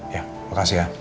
ya makasih ya